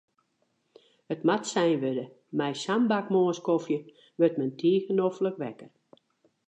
It moat sein wurde, mei sa'n bak moarnskofje wurdt men tige noflik wekker.